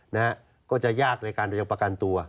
นะฮะก็จะยากในการไปยังประกันตัว